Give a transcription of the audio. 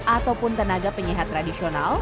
ataupun tenaga penyehat tradisional